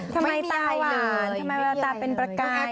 ทำไมตาหวานทำไมแววตาเป็นประการ